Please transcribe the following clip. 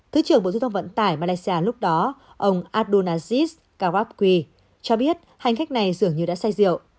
thứ trưởng bộ giao thông vận tải malaysia lúc đó ông adunazis karabki cho biết hành khách này dường như đã say rượu